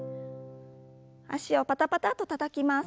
脚をパタパタとたたきます。